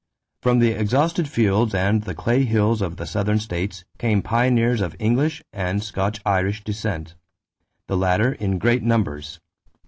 From the exhausted fields and the clay hills of the Southern states came pioneers of English and Scotch Irish descent, the latter in great numbers.